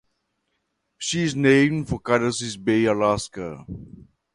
She is named for Kadashan Bay Alaska.